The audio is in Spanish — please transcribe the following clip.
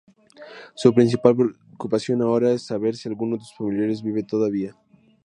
Su principal preocupación ahora es saber si alguno de sus familiares vive todavía.